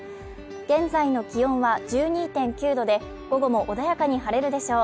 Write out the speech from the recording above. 現在の気温は１２．９度で午後も穏やかに晴れるでしょう